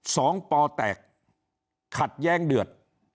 ปอแตกขัดแย้งเดือด